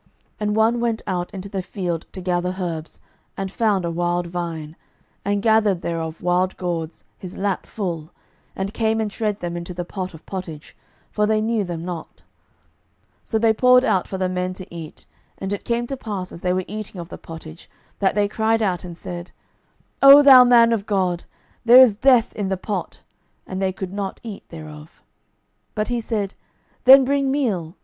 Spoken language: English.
12:004:039 And one went out into the field to gather herbs, and found a wild vine, and gathered thereof wild gourds his lap full, and came and shred them into the pot of pottage: for they knew them not. 12:004:040 So they poured out for the men to eat. And it came to pass, as they were eating of the pottage, that they cried out, and said, O thou man of God, there is death in the pot. And they could not eat thereof. 12:004:041 But he said, Then bring meal.